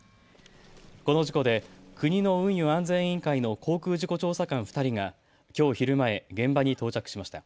この事故で国の運輸安全委員会の航空事故調査官２人がきょう昼前、現場に到着しました。